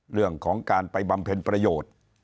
เรื่องของการไปบำเพ็ญประโยชน์